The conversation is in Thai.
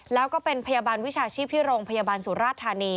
แล้วก็เป็นพยาบาลวิชาชีพที่โรงพยาบาลสุราชธานี